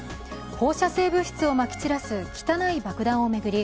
放射性物質をまき散らす汚い爆弾を巡り